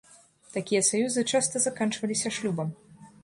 Такія саюзы часта заканчваліся шлюбам.